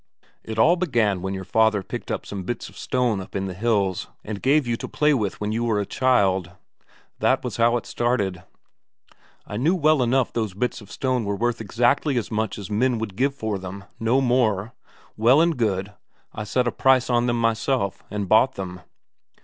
It all began when your father picked up some bits of stone up in the hills, and gave you to play with when you were a child. That was how it started. I knew well enough those bits of stone were worth exactly as much as men would give for them, no more; well and good, I set a price on them myself, and bought them.